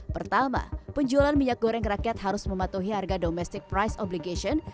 pertama penjualan minyak goreng rakyat harus mematuhi harga domestic price obligation